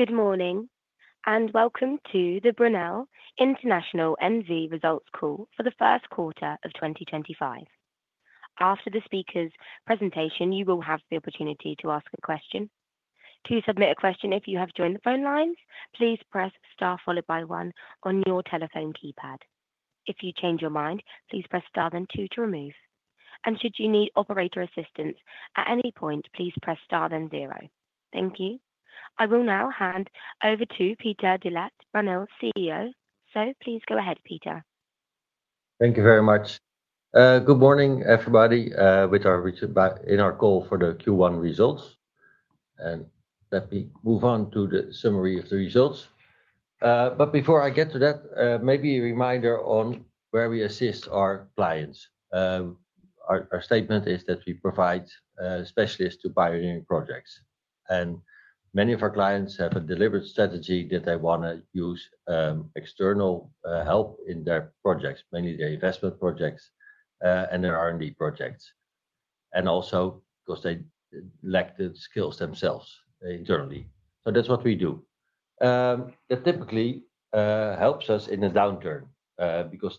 Good morning, and welcome to the Brunel International NV Results Call for the first quarter of 2025. After the speaker's presentation, you will have the opportunity to ask a question. To submit a question, if you have joined the phone lines, please press star followed by 1 on your telephone keypad. If you change your mind, please press star then 2 to remove. Should you need operator assistance at any point, please press star then 0. Thank you. I will now hand over to Peter de Laat, Brunel CEO. Please go ahead, Peter. Thank you very much. Good morning, everybody, with our call for the Q1 results. Let me move on to the summary of the results. Before I get to that, maybe a reminder on where we assist our clients. Our statement is that we provide specialists to pioneering projects. Many of our clients have a deliberate strategy that they want to use external help in their projects, mainly their investment projects and their R&D projects, and also because they lack the skills themselves internally. That is what we do. That typically helps us in the downturn because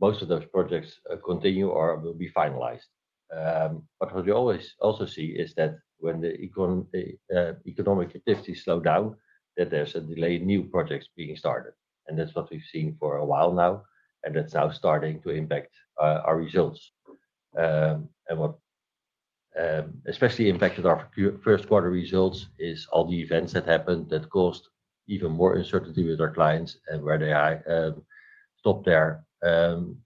most of those projects continue or will be finalized. What we always also see is that when the economic activity slowed down, there is a delay in new projects being started. That is what we have seen for a while now. That is now starting to impact our results. What especially impacted our first quarter results is all the events that happened that caused even more uncertainty with our clients and where they stopped their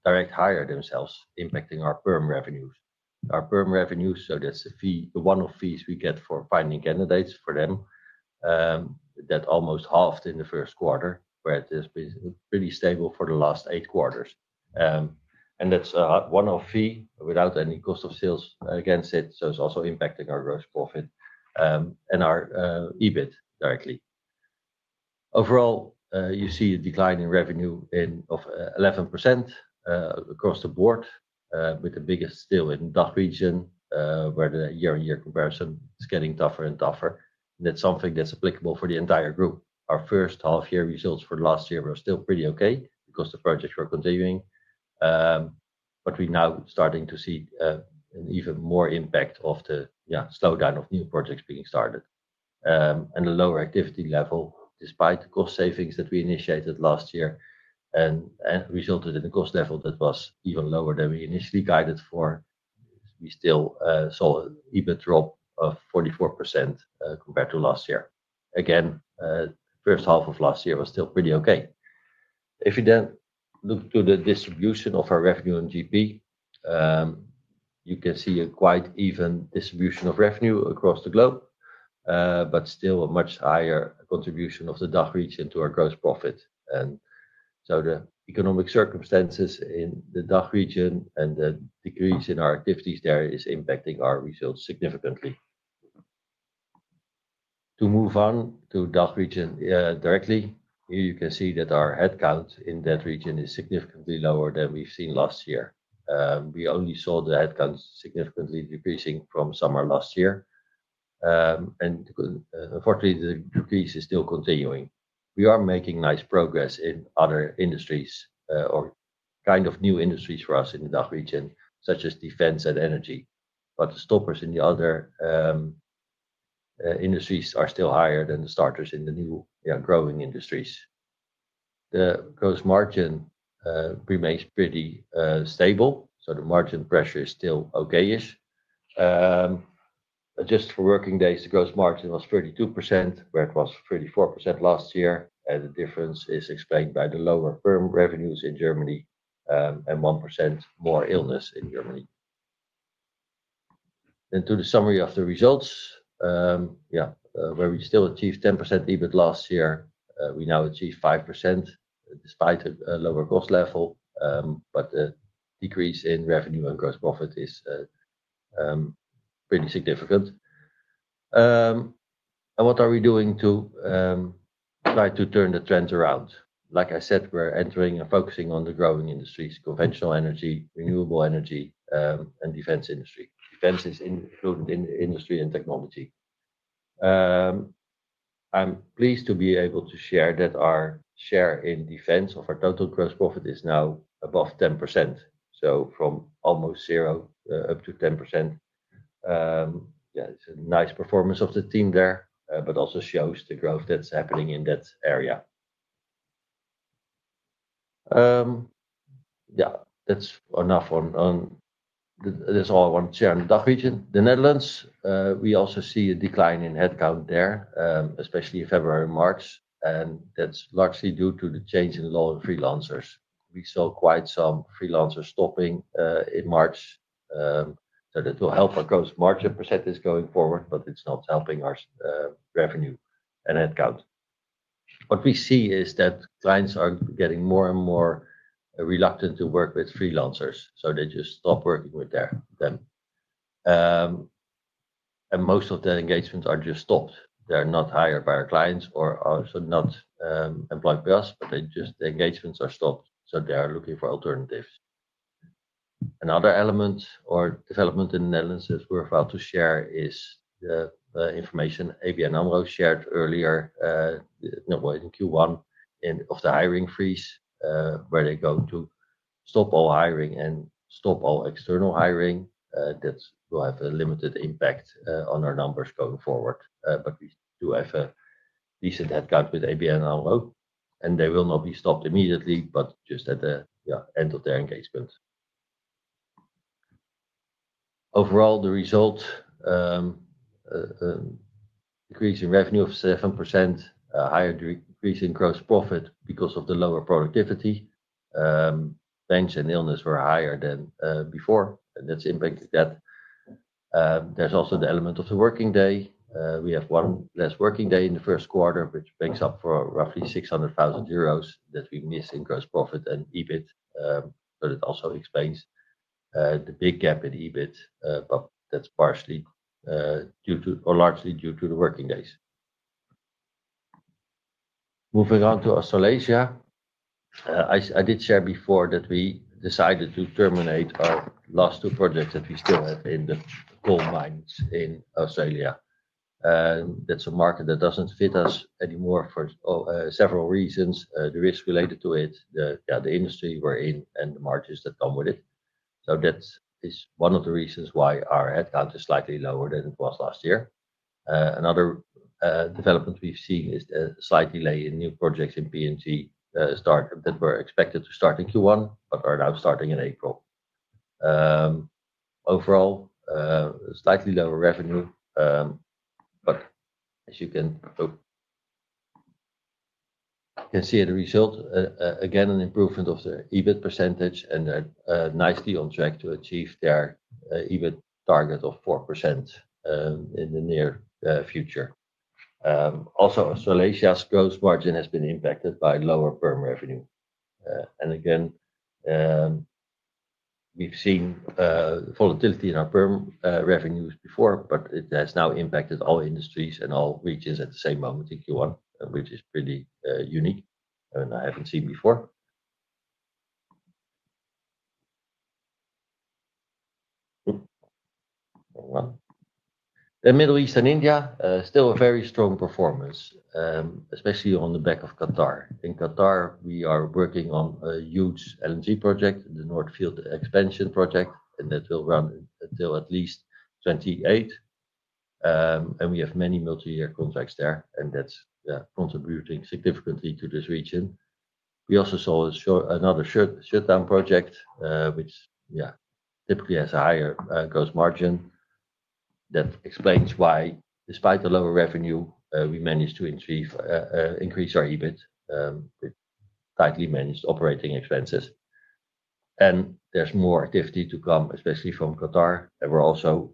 direct hire themselves, impacting our firm revenues. Our firm revenues, so that's one of the fees we get for finding candidates for them, almost halved in the first quarter, where it has been pretty stable for the last eight quarters. That's one of the fees without any cost of sales against it. It is also impacting our gross profit and our EBIT directly. Overall, you see a decline in revenue of 11% across the board, with the biggest still in the DACH region, where the year-on-year comparison is getting tougher and tougher. That is something that's applicable for the entire group. Our first half-year results for last year were still pretty okay because the projects were continuing. We're now starting to see an even more impact of the slowdown of new projects being started and a lower activity level, despite the cost savings that we initiated last year and resulted in a cost level that was even lower than we initially guided for. We still saw an EBIT drop of 44% compared to last year. Again, the first half of last year was still pretty okay. If you then look to the distribution of our revenue and GP, you can see a quite even distribution of revenue across the globe, but still a much higher contribution of the DACH region to our gross profit. The economic circumstances in the DACH region and the decrease in our activities there is impacting our results significantly. To move on to the DACH region directly, here you can see that our headcount in that region is significantly lower than we've seen last year. We only saw the headcount significantly decreasing from summer last year. Unfortunately, the decrease is still continuing. We are making nice progress in other industries or kind of new industries for us in the DACH region, such as defense and energy. The stoppers in the other industries are still higher than the starters in the new growing industries. The gross margin remains pretty stable. The margin pressure is still okay-ish. Just for working days, the gross margin was 32%, where it was 34% last year. The difference is explained by the lower firm revenues in Germany and 1% more illness in Germany. To the summary of the results, yeah, where we still achieved 10% EBIT last year, we now achieve 5% despite a lower cost level. The decrease in revenue and gross profit is pretty significant. What are we doing to try to turn the trends around? Like I said, we're entering and focusing on the growing industries: conventional energy, renewable energy, and defense industry. Defense is included in the industry and technology. I'm pleased to be able to share that our share in defense of our total gross profit is now above 10%. From almost zero up to 10%. Yeah, it's a nice performance of the team there, but also shows the growth that's happening in that area. That's enough on that's all I want to share on the DACH region. The Netherlands, we also see a decline in headcount there, especially in February and March. That is largely due to the change in law and freelancers. We saw quite some freelancers stopping in March. That will help our gross margin percentage going forward, but it is not helping our revenue and headcount. What we see is that clients are getting more and more reluctant to work with freelancers. They just stop working with them. Most of the engagements are just stopped. They are not hired by our clients or also not employed by us, but the engagements are stopped. They are looking for alternatives. Another element or development in the Netherlands that we are about to share is the information ABN AMRO shared earlier, in Q1 of the hiring freeze, where they go to stop all hiring and stop all external hiring. That will have a limited impact on our numbers going forward. We do have a decent headcount with ABN AMRO. They will not be stopped immediately, but just at the end of their engagement. Overall, the result is a decrease in revenue of 7%, with a higher decrease in gross profit because of the lower productivity. Pains and illness were higher than before, and that has impacted that. There is also the element of the working day. We have one less working day in the first quarter, which makes up for roughly 600,000 euros that we miss in gross profit and EBIT. It also explains the big gap in EBIT, which is partially due to, or largely due to, the working days. Moving on to Australasia, I did share before that we decided to terminate our last two projects that we still have in the coal mines in Australia. That is a market that does not fit us anymore for several reasons. The risk related to it, the industry we're in, and the margins that come with it. That is one of the reasons why our headcount is slightly lower than it was last year. Another development we've seen is the slight delay in new projects in P&G startup that were expected to start in Q1, but are now starting in April. Overall, slightly lower revenue. As you can see the result, again, an improvement of the EBIT percentage and nicely on track to achieve their EBIT target of 4% in the near future. Also, Australasia's gross margin has been impacted by lower firm revenue. Again, we've seen volatility in our firm revenues before, but it has now impacted all industries and all regions at the same moment in Q1, which is pretty unique and I haven't seen before. The Middle East and India, still a very strong performance, especially on the back of Qatar. In Qatar, we are working on a huge LNG project, the North Field Expansion Project, and that will run until at least 2028. We have many multi-year contracts there, and that's contributing significantly to this region. We also saw another shutdown project, which, yeah, typically has a higher gross margin. That explains why, despite the lower revenue, we managed to increase our EBIT with tightly managed operating expenses. There is more activity to come, especially from Qatar. We will also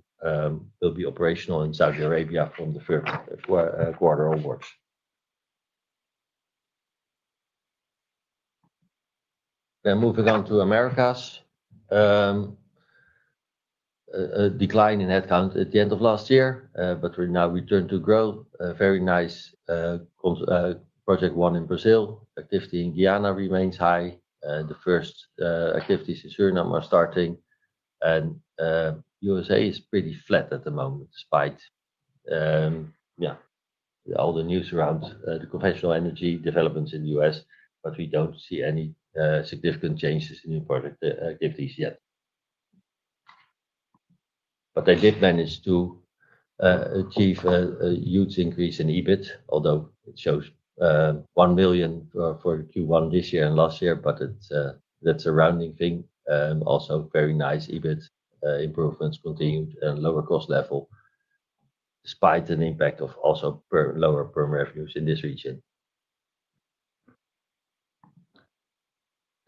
be operational in Saudi Arabia from the third quarter onwards. Moving on to Americas. Decline in headcount at the end of last year, but now we turn to grow very nice project one in Brazil. Activity in Guyana remains high. The first activities in Suriname are starting. USA is pretty flat at the moment, despite, yeah, all the news around the conventional energy developments in the US. We do not see any significant changes in new project activities yet. They did manage to achieve a huge increase in EBIT, although it shows 1 million for Q1 this year and last year, but that is a rounding thing. Also, very nice EBIT improvements continued and lower cost level, despite an impact of also lower firm revenues in this region.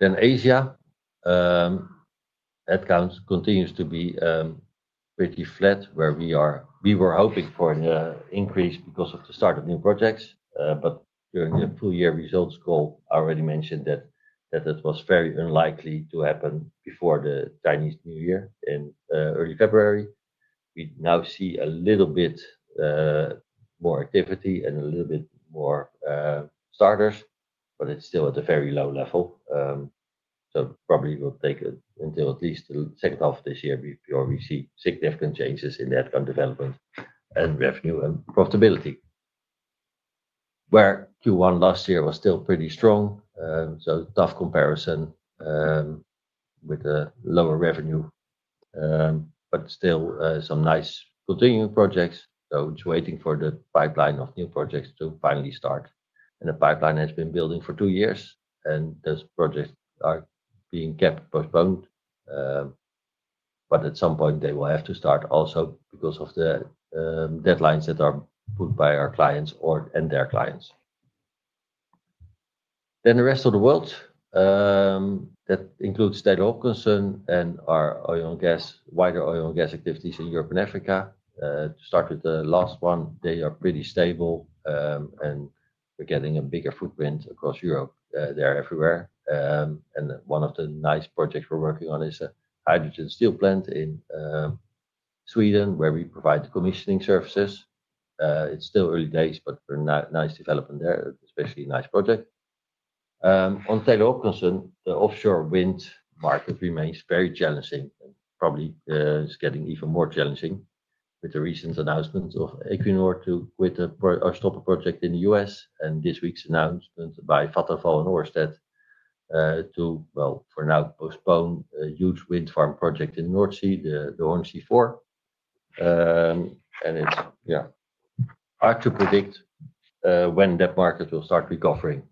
Asia, headcount continues to be pretty flat, where we were hoping for an increase because of the start of new projects. During the full year results call, I already mentioned that it was very unlikely to happen before the Chinese New Year in early February. We now see a little bit more activity and a little bit more starters, but it's still at a very low level. It probably will take until at least the second half of this year before we see significant changes in headcount development and revenue and profitability. Where Q1 last year was still pretty strong. It is a tough comparison with the lower revenue, but still some nice continuing projects. It is waiting for the pipeline of new projects to finally start. The pipeline has been building for two years. Those projects are being kept postponed. At some point, they will have to start also because of the deadlines that are put by our clients and their clients. The rest of the world includes Taylor Hopkinson and our oil and gas, wider oil and gas activities in Europe and Africa. To start with the last one, they are pretty stable. We are getting a bigger footprint across Europe. They are everywhere. One of the nice projects we are working on is a hydrogen steel plant in Sweden, where we provide commissioning services. It is still early days, but a nice development there, especially a nice project. On Taylor Hopkinson, the offshore wind market remains very challenging and probably is getting even more challenging with the recent announcement of Equinor to stop a project in the US and this week's announcement by Vattenfall and Ørsted to, for now, postpone a huge wind farm project in the North Sea, the Hornsea 4. It is hard to predict when that market will start recovering.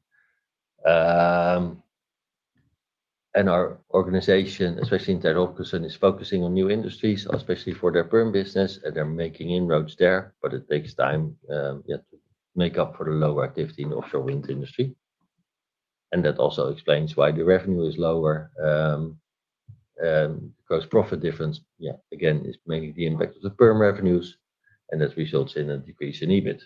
Our organization, especially in Taylor Hopkinson, is focusing on new industries, especially for their perm business, and they are making inroads there. It takes time, yeah, to make up for the lower activity in the offshore wind industry. That also explains why the revenue is lower. The gross profit difference, yeah, again, is mainly the impact of the perm revenues. That results in a decrease in EBIT.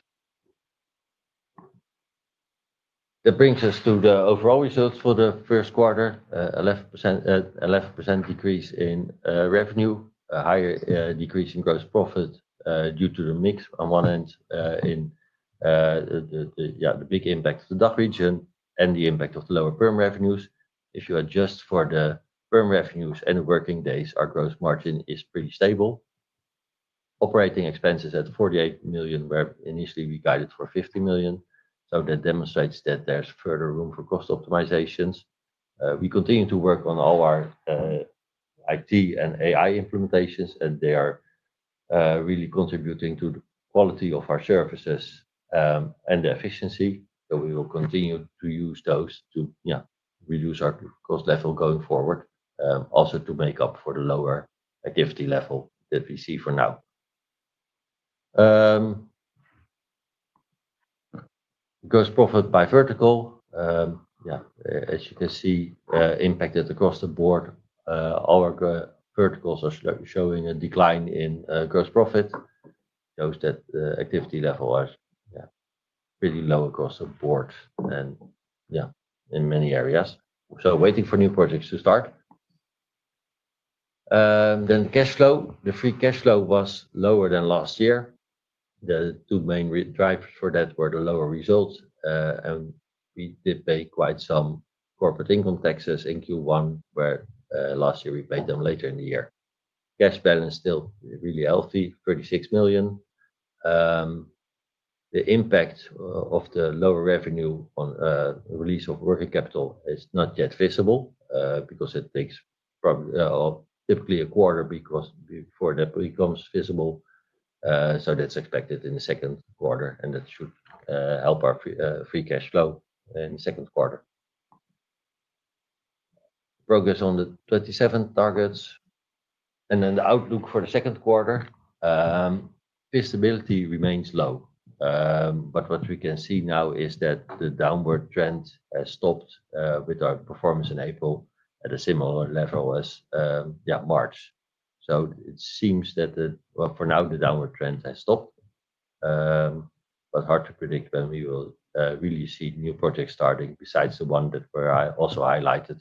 That brings us to the overall results for the first quarter, an 11% decrease in revenue, a higher decrease in gross profit due to the mix on one end in, yeah, the big impact of the DACH region and the impact of the lower perm revenues. If you adjust for the perm revenues and working days, our gross margin is pretty stable. Operating expenses at 48 million, where initially we guided for 50 million. That demonstrates that there is further room for cost optimizations. We continue to work on all our IT and AI implementations, and they are really contributing to the quality of our services and the efficiency. We will continue to use those to, yeah, reduce our cost level going forward, also to make up for the lower activity level that we see for now. Gross profit by vertical, yeah, as you can see, impacted across the board. All our verticals are showing a decline in gross profit. Shows that the activity level is, yeah, pretty low across the board and, yeah, in many areas. Waiting for new projects to start. Cash flow, the free cash flow was lower than last year. The two main drivers for that were the lower results. We did pay quite some corporate income taxes in Q1, where last year we paid them later in the year. Cash balance still really healthy, 36 million. The impact of the lower revenue on the release of working capital is not yet visible because it takes typically a quarter before that becomes visible. That is expected in the second quarter, and that should help our free cash flow in the second quarter. Progress on the 27 targets. The outlook for the second quarter, visibility remains low. What we can see now is that the downward trend has stopped with our performance in April at a similar level as, yeah, March. It seems that for now, the downward trend has stopped. Hard to predict when we will really see new projects starting besides the one that I also highlighted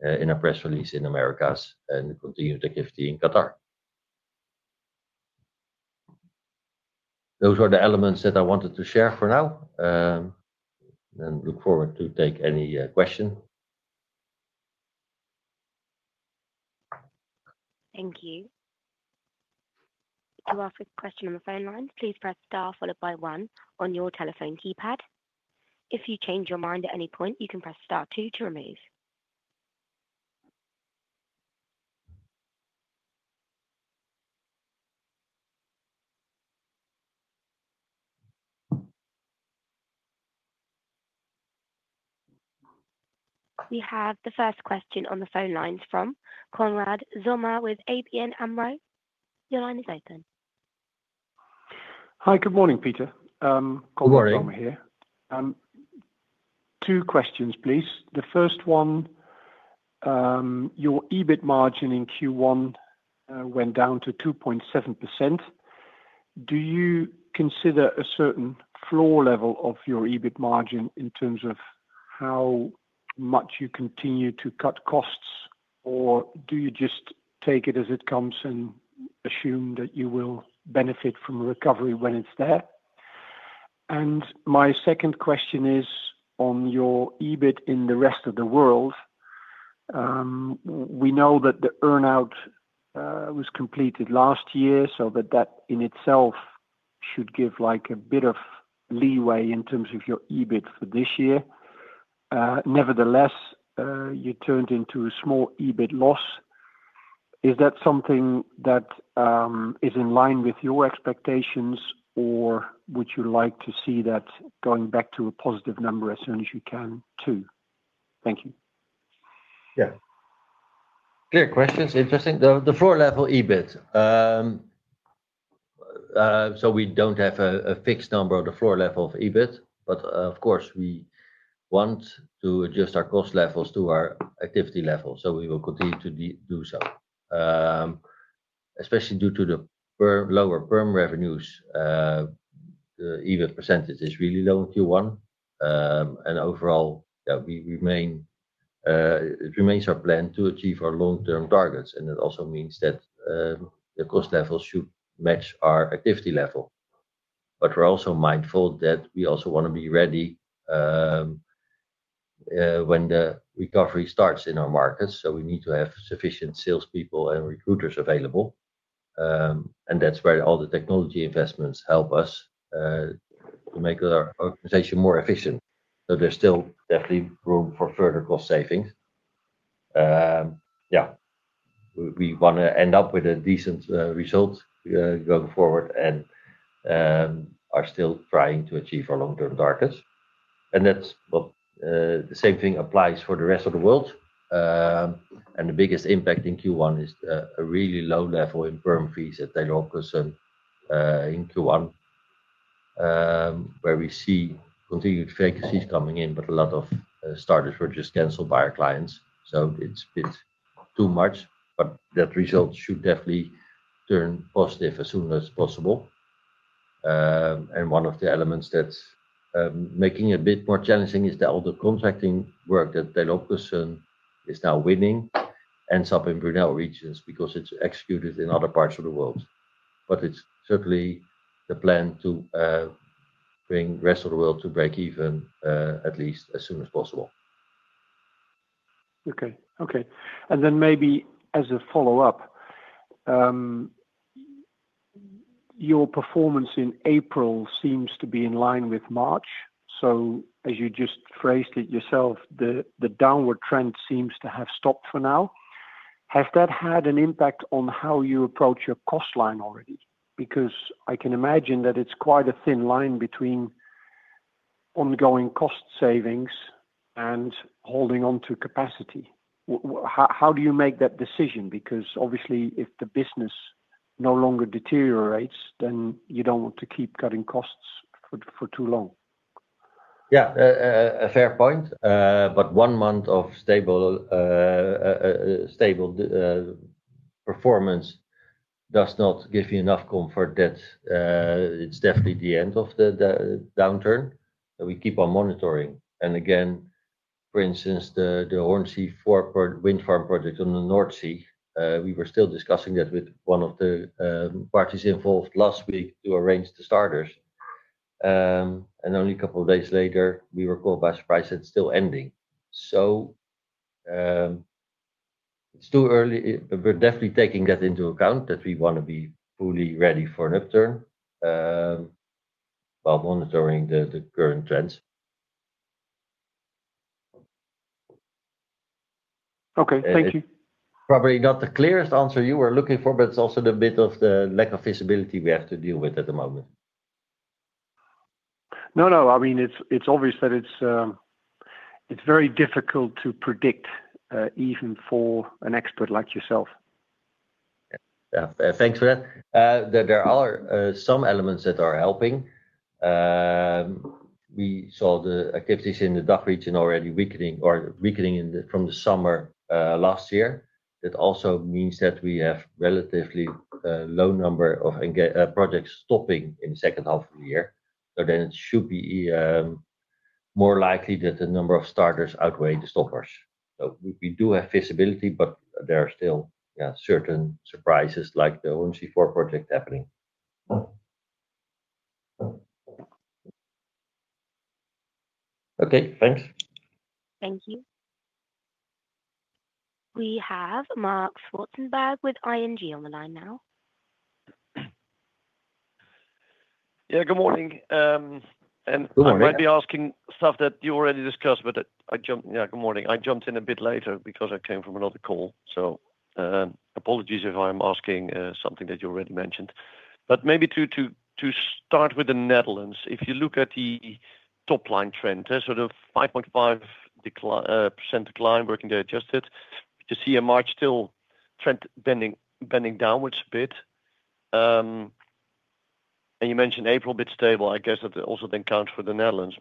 in a press release in Americas and continued activity in Qatar. Those were the elements that I wanted to share for now. I look forward to taking any questions. Thank you. To ask a question on the phone line, please press star followed by 1 on your telephone keypad. If you change your mind at any point, you can press star 2 to remove. We have the first question on the phone lines from Konrad Zomer with ABN AMRO. Your line is open. Hi, good morning, Peter. Konrad Zomer here. Two questions, please. The first one, your EBIT margin in Q1 went down to 2.7%. Do you consider a certain floor level of your EBIT margin in terms of how much you continue to cut costs, or do you just take it as it comes and assume that you will benefit from recovery when it is there? My second question is on your EBIT in the rest of the world. We know that the earnout was completed last year, so that in itself should give a bit of leeway in terms of your EBIT for this year. Nevertheless, you turned into a small EBIT loss. Is that something that is in line with your expectations, or would you like to see that going back to a positive number as soon as you can too? Thank you. Yeah. Clear questions. Interesting. The floor level EBIT. We do not have a fixed number of the floor level of EBIT. Of course, we want to adjust our cost levels to our activity level. We will continue to do so. Especially due to the lower perm revenues, the EBIT percentage is really low in Q1. Overall, it remains our plan to achieve our long-term targets. It also means that the cost level should match our activity level. We are also mindful that we also want to be ready when the recovery starts in our markets. We need to have sufficient salespeople and recruiters available. That is where all the technology investments help us to make our organization more efficient. There is still definitely room for further cost savings. Yeah. We want to end up with a decent result going forward and are still trying to achieve our long-term targets. The same thing applies for the rest of the world. The biggest impact in Q1 is a really low level in perm fees at Taylor Hopkinson in Q1, where we see continued vacancies coming in, but a lot of starters were just canceled by our clients. It is a bit too much. That result should definitely turn positive as soon as possible. One of the elements that's making it a bit more challenging is the older contracting work that Taylor Hopkinson is now winning and some in Brunel regions because it's executed in other parts of the world. It is certainly the plan to bring the rest of the world to break even, at least as soon as possible. Okay. Maybe as a follow-up, your performance in April seems to be in line with March. As you just phrased it yourself, the downward trend seems to have stopped for now. Has that had an impact on how you approach your cost line already? I can imagine that it's quite a thin line between ongoing cost savings and holding on to capacity. How do you make that decision? Because obviously, if the business no longer deteriorates, then you do not want to keep cutting costs for too long. Yeah, a fair point. However, one month of stable performance does not give you enough comfort that it is definitely the end of the downturn. We keep on monitoring. For instance, the Hornsea 4 wind farm project on the North Sea, we were still discussing that with one of the parties involved last week to arrange the starters. Only a couple of days later, we were called by surprise that it is still ending. It is too early. We are definitely taking that into account that we want to be fully ready for an upturn while monitoring the current trends. Okay. Thank you. Probably not the clearest answer you were looking for, but it is also the bit of the lack of visibility we have to deal with at the moment. No, no. I mean, it's obvious that it's very difficult to predict even for an expert like yourself. Yeah. Thanks for that. There are some elements that are helping. We saw the activities in the DACH region already weakening from the summer last year. That also means that we have a relatively low number of projects stopping in the second half of the year. It should be more likely that the number of starters outweigh the stoppers. We do have visibility, but there are still certain surprises like the Hornsea 4 project happening. Okay. Thanks. Thank you. We have Marc Zwartsenberg with ING on the line now. Yeah. Good morning. I might be asking stuff that you already discussed, but yeah, good morning. I jumped in a bit later because I came from another call. Apologies if I'm asking something that you already mentioned. Maybe to start with the Netherlands, if you look at the top line trend, there's sort of a 5.5% decline working day adjusted. You see a March still trend bending downwards a bit. You mentioned April a bit stable. I guess that also then counts for the Netherlands.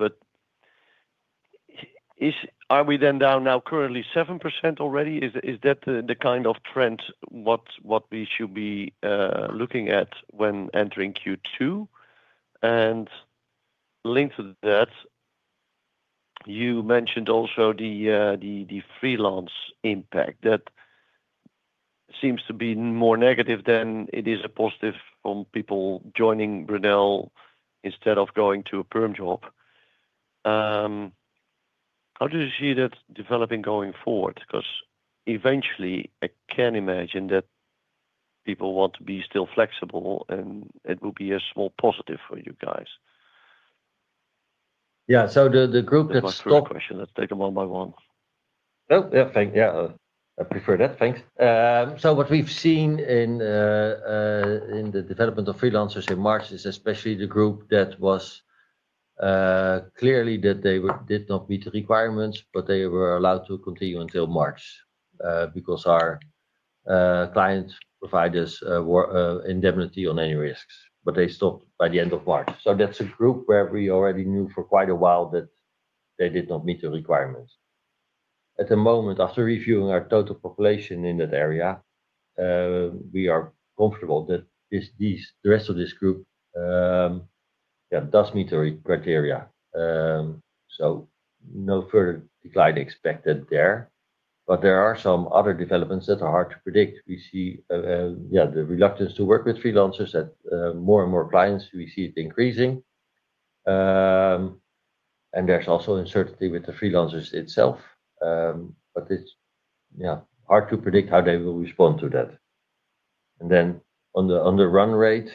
Are we then down now currently 7% already? Is that the kind of trend we should be looking at when entering Q2? Linked to that, you mentioned also the freelance impact that seems to be more negative than it is a positive from people joining Brunel instead of going to a perm job. How do you see that developing going forward? Because eventually, I can imagine that people want to be still flexible, and it will be a small positive for you guys. Yeah. The group that stopped— I'll ask a question. Let's take them one by one. No, yeah. Thank you. Yeah. I prefer that. Thanks. What we have seen in the development of freelancers in March is especially the group that was clearly, that they did not meet the requirements, but they were allowed to continue until March because our client provided us indemnity on any risks. They stopped by the end of March. That is a group where we already knew for quite a while that they did not meet the requirements. At the moment, after reviewing our total population in that area, we are comfortable that the rest of this group, yeah, does meet the criteria. No further decline expected there. There are some other developments that are hard to predict. We see, yeah, the reluctance to work with freelancers, that more and more clients, we see it increasing. There is also uncertainty with the freelancers itself. Yeah, hard to predict how they will respond to that. On the run rate,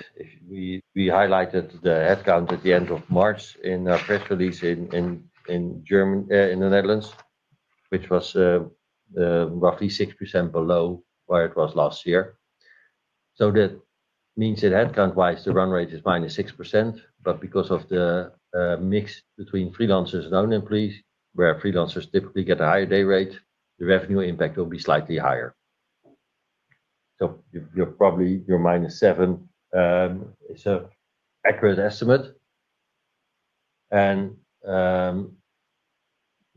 we highlighted the headcount at the end of March in our press release in the Netherlands, which was roughly 6% below where it was last year. That means that headcount-wise, the run rate is minus 6%. Because of the mix between freelancers and own employees, where freelancers typically get a higher day rate, the revenue impact will be slightly higher. Probably your minus 7% is an accurate estimate.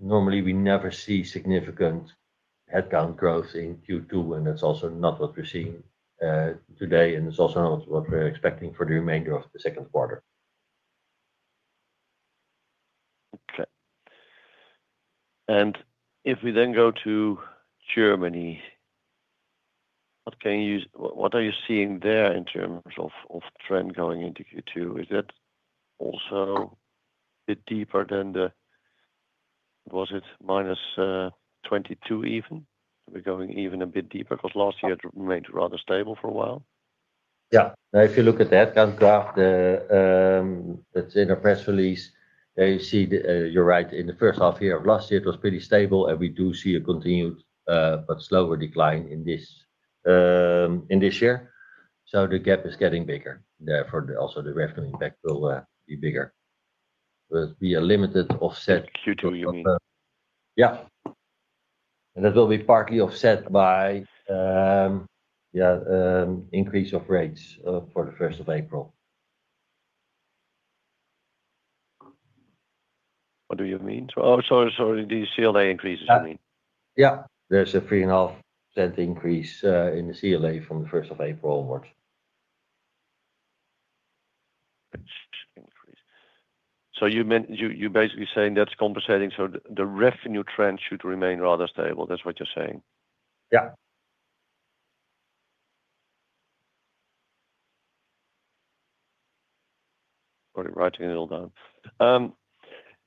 Normally, we never see significant headcount growth in Q2, and that is also not what we are seeing today. It is also not what we are expecting for the remainder of the second quarter. If we then go to Germany, what are you seeing there in terms of trend going into Q2? Is that also a bit deeper than the—was it minus 22 even? We're going even a bit deeper because last year it remained rather stable for a while. Yeah. Now, if you look at the headcount graph that's in our press release, you see you're right. In the first half year of last year, it was pretty stable, and we do see a continued but slower decline in this year. The gap is getting bigger. Therefore, also the revenue impact will be bigger. It'll be a limited offset of— Q2, you mean? Yeah. That will be partly offset by, yeah, increase of rates for the first of April. What do you mean? Oh, sorry. Sorry. The CLA increases, you mean? Yeah. There's a 3.5% increase in the CLA from the first of April onwards. You're basically saying that's compensating. The revenue trend should remain rather stable. That's what you're saying. Yeah. Sorry, writing it all down.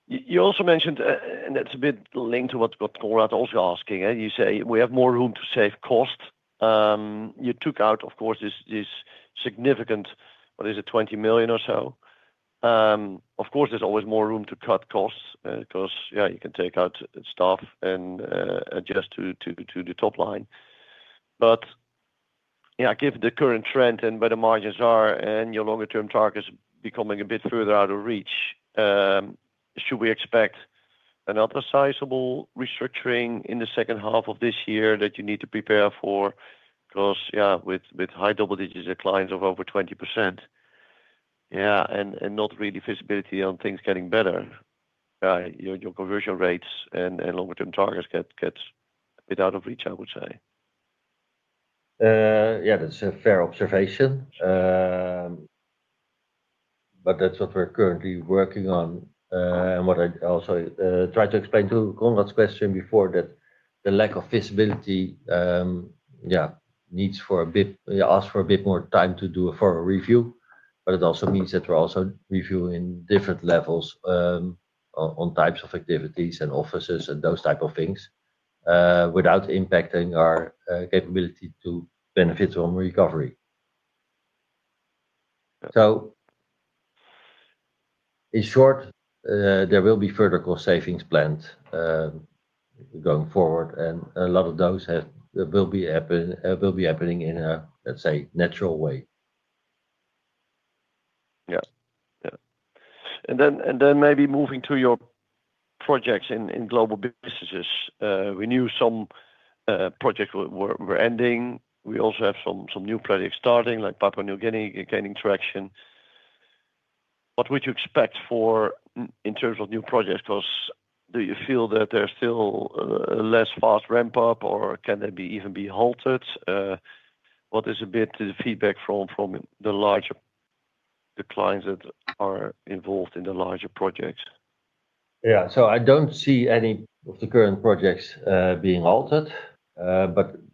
You also mentioned, and that's a bit linked to what Conrad was asking, you say we have more room to save cost. You took out, of course, this significant—what is it? 20 million or so. Of course, there's always more room to cut costs because, yeah, you can take out stuff and adjust to the top line. But yeah, given the current trend and where the margins are and your longer-term targets becoming a bit further out of reach, should we expect another sizable restructuring in the second half of this year that you need to prepare for? Because, yeah, with high double digits declines of over 20%, yeah, and not really visibility on things getting better, your conversion rates and longer-term targets get a bit out of reach, I would say. Yeah, that's a fair observation. That's what we're currently working on. What I also tried to explain to Conrad's question before is that the lack of visibility, yeah, needs a bit—you ask for a bit more time to do a thorough review. It also means that we're reviewing different levels on types of activities and offices and those types of things without impacting our capability to benefit from recovery. In short, there will be further cost savings planned going forward. A lot of those will be happening in a, let's say, natural way. Yeah. Maybe moving to your projects in global businesses, we knew some projects were ending. We also have some new projects starting, like Papua New Guinea gaining traction. What would you expect in terms of new projects? Because do you feel that there's still a less fast ramp-up, or can they even be halted? What is a bit of the feedback from the larger clients that are involved in the larger projects? Yeah. I don't see any of the current projects being halted.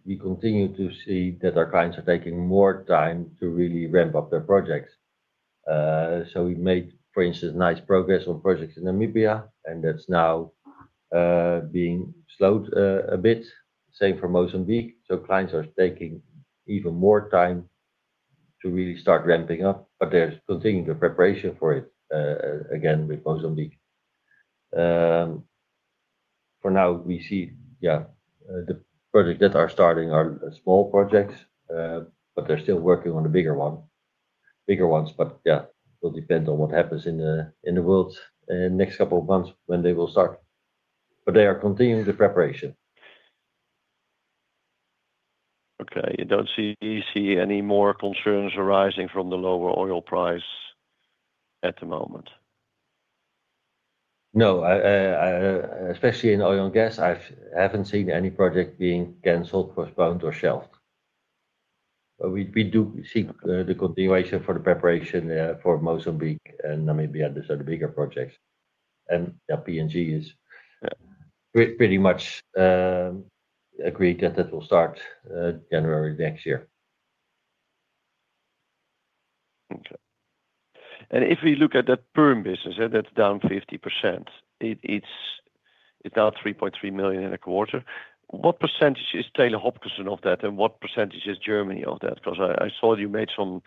We continue to see that our clients are taking more time to really ramp up their projects. We made, for instance, nice progress on projects in Namibia, and that's now being slowed a bit. Same for Mozambique. Clients are taking even more time to really start ramping up. There's continued preparation for it again with Mozambique. For now, we see the projects that are starting are small projects, but they're still working on the bigger ones. It will depend on what happens in the world in the next couple of months when they will start. They are continuing the preparation. Okay. You do not see any more concerns arising from the lower oil price at the moment? No. Especially in oil and gas, I have not seen any project being canceled, postponed, or shelved. We do see the continuation for the preparation for Mozambique and Namibia. Those are the bigger projects. Yeah, P&G is pretty much agreed that that will start January next year. Okay. If we look at that perm business, that is down 50%. It is now 3.3 million in a quarter. What percentage is Taylor Hopkinson of that, and what percentage is Germany of that? I saw you made some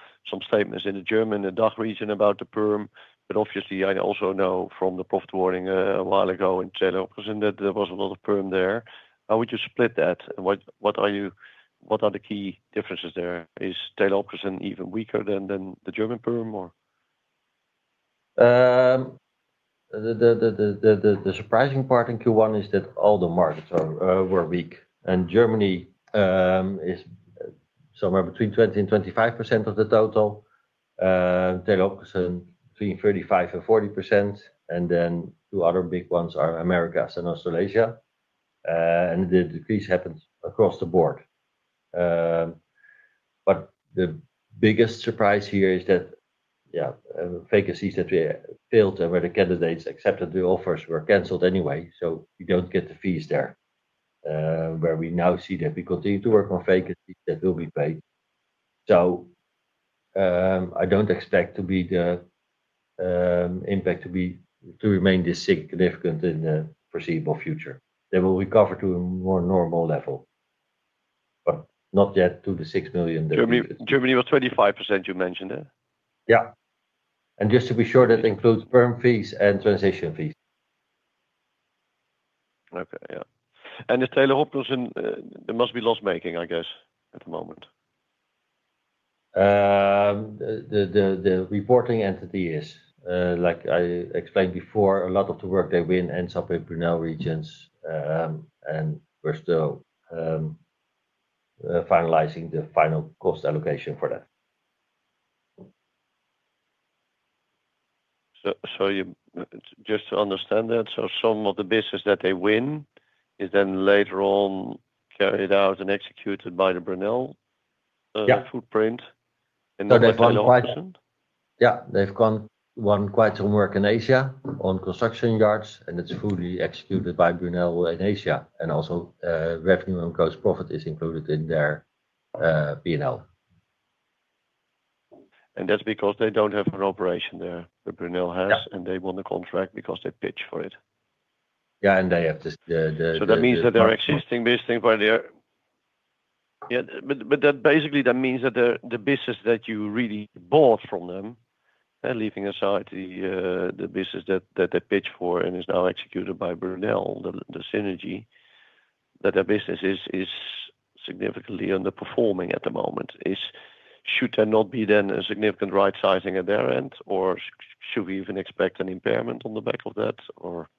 statements in the German and DACH region about the perm. Obviously, I also know from the profit warning a while ago in Taylor Hopkinson that there was a lot of perm there. How would you split that? What are the key differences there? Is Taylor Hopkinson even weaker than the German perm, or? The surprising part in Q1 is that all the markets were weak. Germany is somewhere between 20% and 25% of the total. Taylor Hopkinson between 35% and 40%. Then two other big ones are America and Australasia. The decrease happens across the board. The biggest surprise here is that, yeah, vacancies that we filled and where the candidates accepted the offers were canceled anyway. You do not get the fees there, where we now see that we continue to work on vacancies that will be paid. I do not expect the impact to remain this significant in the foreseeable future. They will recover to a more normal level, but not yet to the 6 million that we have seen. Germany was 25%, you mentioned, yeah. Just to be sure, that includes perm fees and transition fees. Okay. Yeah. Is Taylor Hopkinson—there must be loss-making, I guess, at the moment. The reporting entity is, like I explained before, a lot of the work they win ends up in Brunel regions. We're still finalizing the final cost allocation for that. Just to understand that, some of the business that they win is then later on carried out and executed by the Brunel footprint in the final version? Yeah. They've done quite some work in Asia on construction yards, and it's fully executed by Brunel in Asia. Also, revenue and gross profit is included in their P&L. That's because they don't have an operation there that Brunel has, and they won the contract because they pitched for it. Yeah. They have the— so that means that their existing business where they're—yeah. Basically, that means that the business that you really bought from them, leaving aside the business that they pitched for and is now executed by Brunel, the synergy, that their business is significantly underperforming at the moment. Should there not be then a significant right-sizing at their end, or should we even expect an impairment on the back of that, or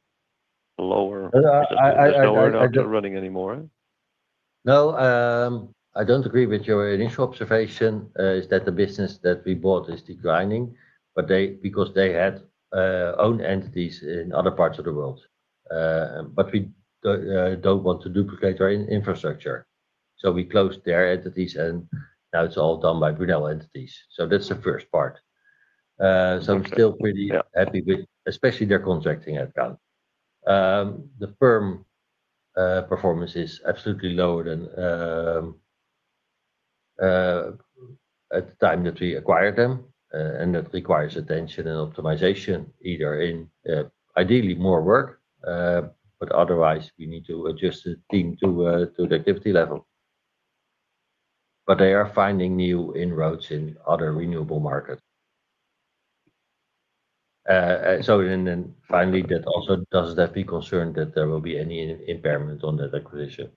lower businesses that are not running anymore? No. I don't agree with your initial observation that the business that we bought is declining because they had own entities in other parts of the world. We don't want to duplicate our infrastructure. We closed their entities, and now it's all done by Brunel entities. That's the first part. We're still pretty happy with, especially their contracting headcount. The perm performance is absolutely lower than at the time that we acquired them. That requires attention and optimization, either in ideally more work, but otherwise, we need to adjust the team to the activity level. They are finding new inroads in other renewable markets. Finally, that also does not mean we should be concerned that there will be any impairment on that acquisition.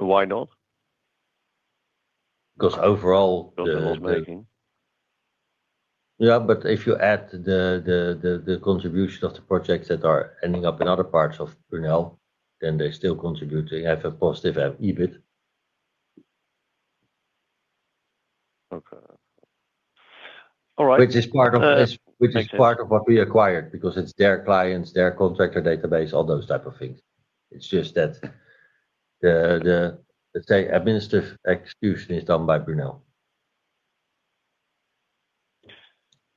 Why not? Because overall, if you add the contribution of the projects that are ending up in other parts of Brunel, then they still contribute to have a positive EBIT. All right. Which is part of what we acquired because it's their clients, their contractor database, all those type of things. It's just that the administrative execution is done by Brunel.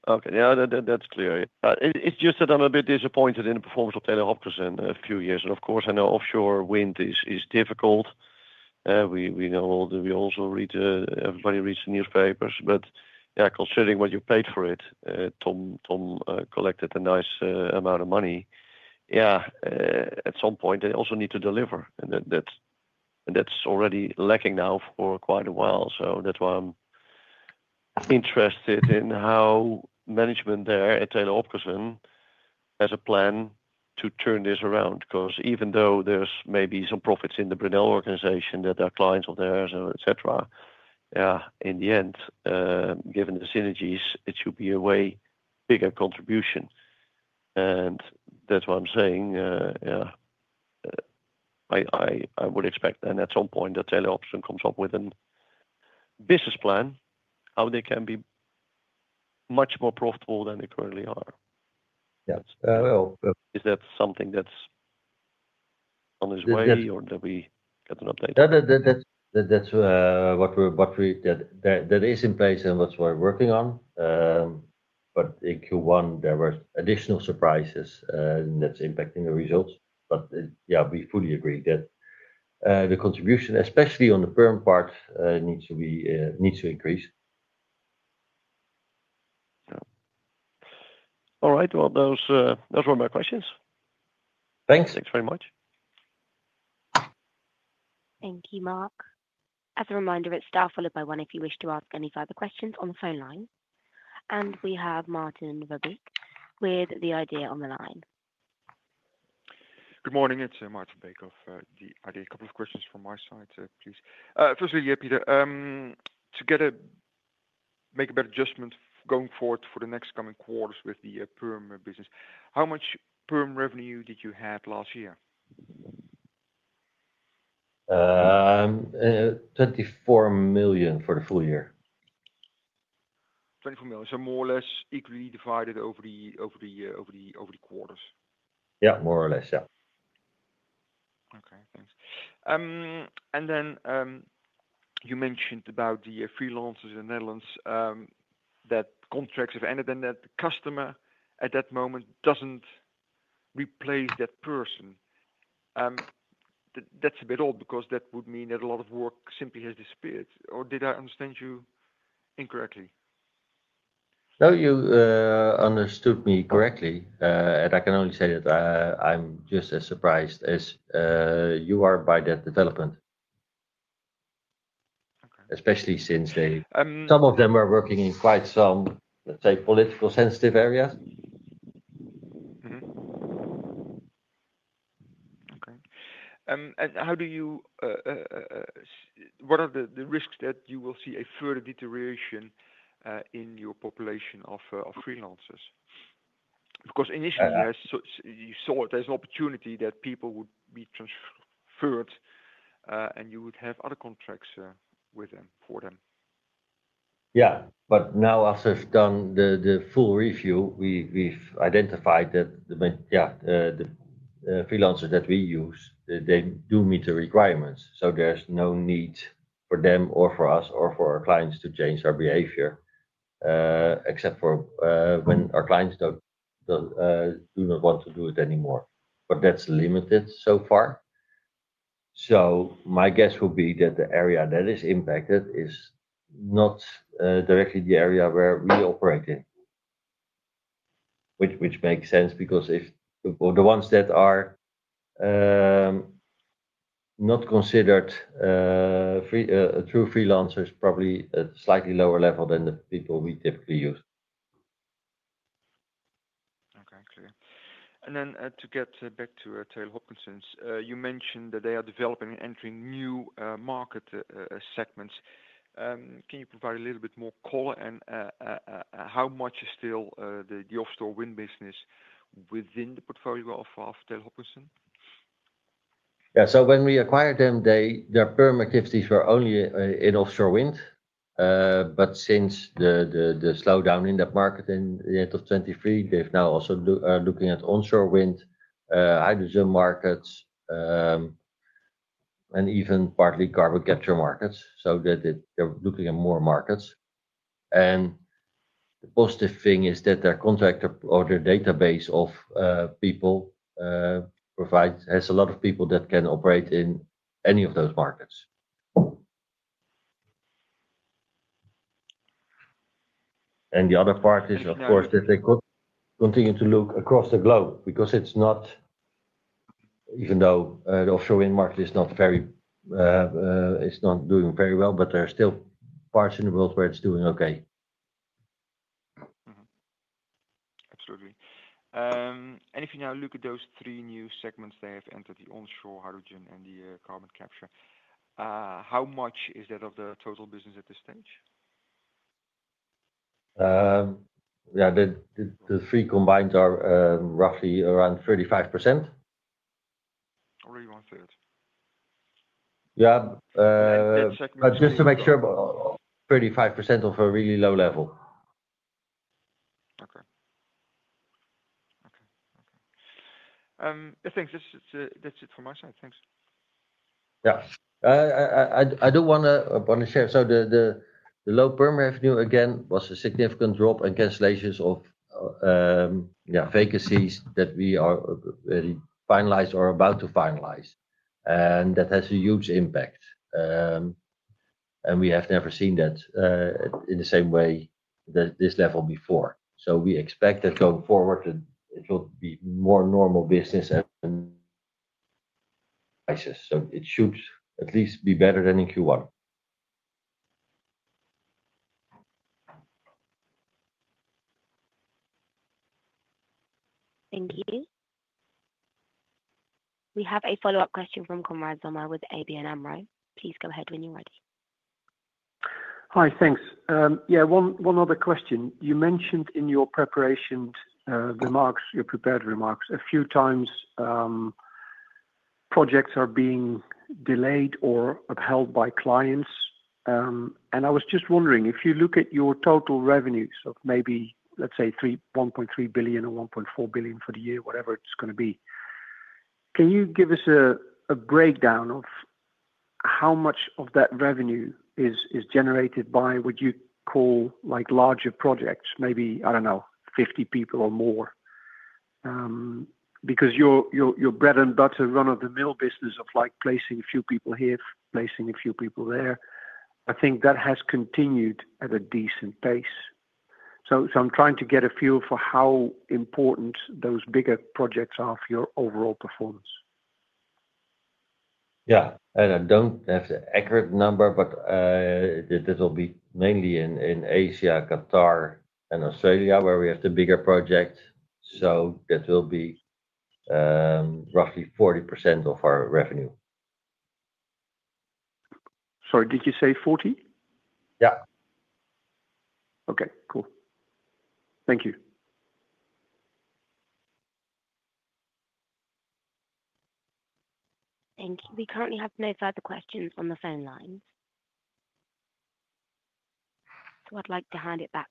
That's clear. It's just that I'm a bit disappointed in the performance of Taylor Hopkinson a few years. Of course, I know offshore wind is difficult. We know we also read, everybody reads the newspapers. Yeah, considering what you paid for it, Tom collected a nice amount of money. At some point, they also need to deliver. That is already lacking now for quite a while. That is why I'm interested in how management there at Taylor Hopkinson has a plan to turn this around. Even though there are maybe some profits in the Brunel organization, that our clients are there, etc., in the end, given the synergies, it should be a way bigger contribution. That is why I'm saying, I would expect then at some point that Taylor Hopkinson comes up with a business plan, how they can be much more profitable than they currently are. Is that something that's on its way, or did we get an update? That's what we—that is in place and what we're working on. In Q1, there were additional surprises that's impacting the results. Yeah, we fully agree that the contribution, especially on the perm part, needs to increase. All right. That was one of my questions. Thanks. Thanks very much. Thank you, Mark. As a reminder, it's staff followed by one if you wish to ask any further questions on the phone line. We have Martin Wetherbee with The Idea on the line. Good morning. It's Maarten Verbeek of The Idea. A couple of questions from my side, please. Firstly, yeah, Peter, to make a better judgment going forward for the next coming quarters with the perm business, how much perm revenue did you have last year? 24 million for the full year. 24 million. More or less equally divided over the quarters. Yeah. More or less. Yeah. Okay. Thanks. You mentioned about the freelancers in the Netherlands that contracts have ended and that the customer at that moment does not replace that person. That is a bit odd because that would mean that a lot of work simply has disappeared. Or did I understand you incorrectly? No, you understood me correctly. I can only say that I am just as surprised as you are by that development, especially since some of them are working in quite some, let's say, political-sensitive areas. Okay. How do you—what are the risks that you will see a further deterioration in your population of freelancers? Because initially, you saw there is an opportunity that people would be transferred and you would have other contracts with them for them. Yeah. Now, after doing the full review, we have identified that, yeah, the freelancers that we use, they do meet the requirements. There is no need for them or for us or for our clients to change our behavior, except for when our clients do not want to do it anymore. That is limited so far. My guess would be that the area that is impacted is not directly the area where we operate in, which makes sense because the ones that are not considered true freelancers are probably at a slightly lower level than the people we typically use. Okay. Clear. To get back to Taylor Hopkinson's, you mentioned that they are developing and entering new market segments. Can you provide a little bit more color and how much is still the offshore wind business within the portfolio of Taylor Hopkinson? Yeah. When we acquired them, their perm activities were only in offshore wind. Since the slowdown in that market at the end of 2023, they have now also been looking at onshore wind, hydrogen markets, and even partly carbon capture markets. They are looking at more markets. The positive thing is that their contractor or their database of people has a lot of people that can operate in any of those markets. The other part is, of course, that they continue to look across the globe because it is not—even though the offshore wind market is not very—it is not doing very well, but there are still parts in the world where it is doing okay. Absolutely. If you now look at those three new segments they have entered, the onshore, hydrogen, and the carbon capture, how much is that of the total business at this stage? Yeah. The three combined are roughly around 35%. Already 1/3. Yeah. Just to make sure, 35% of a really low level. Okay. Okay. Okay. Thanks. That's it from my side. Thanks. Yeah. I do want to share. So the low perm revenue, again, was a significant drop and cancellations of vacancies that we are finalizing or about to finalize. And that has a huge impact. We have never seen that in the same way at this level before. We expect that going forward, it will be more normal business and crisis. It should at least be better than in Q1. Thank you. We have a follow-up question from Konrad Zomer with ABN AMRO. Please go ahead when you're ready. Hi. Thanks. Yeah. One other question. You mentioned in your preparation remarks, your prepared remarks, a few times projects are being delayed or upheld by clients. I was just wondering, if you look at your total revenues of maybe, let's say, 1.3 billion or 1.4 billion for the year, whatever it's going to be, can you give us a breakdown of how much of that revenue is generated by what you call larger projects, maybe, I don't know, 50 people or more? Because your bread-and-butter run-of-the-mill business of placing a few people here, placing a few people there, I think that has continued at a decent pace. I'm trying to get a feel for how important those bigger projects are for your overall performance. Yeah. I don't have the accurate number, but that will be mainly in Asia, Qatar, and Australia where we have the bigger projects. That will be roughly 40% of our revenue. Sorry. Did you say 40%? Yeah. Okay. Cool. Thank you. Thank you. We currently have no further questions on the phone line. I would like to hand it back.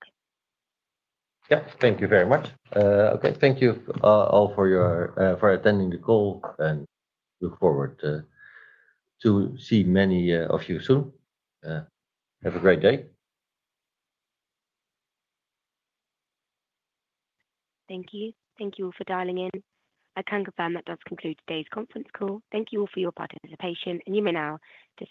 Yep. Thank you very much. Okay. Thank you all for attending the call. I look forward to seeing many of you soon. Have a great day. Thank you. Thank you all for dialing in. I can confirm that does conclude today's conference call. Thank you all for your participation. You may now disconnect.